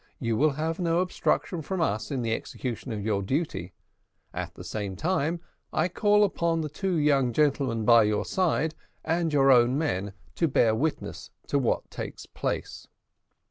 You will have no obstruction from us in the execution of your duty at the same time, I call upon the two young gentlemen by your side, and your own men, to bear witness to what takes place."